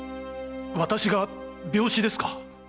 私が病死ですか？